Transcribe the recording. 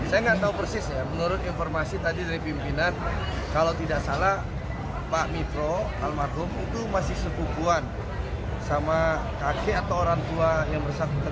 saya nggak tahu persis ya menurut informasi tadi dari pimpinan kalau tidak salah pak mitro almarhum itu masih sepupuan sama kakek atau orang tua yang bersangkutan